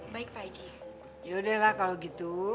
baik pak eji